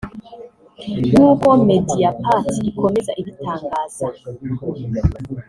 nk’uko Mediapart ikomeza ibitangaza